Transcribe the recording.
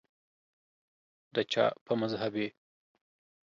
دچا په مذهب یی